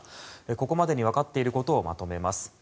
ここまでに分かっていることをまとめます。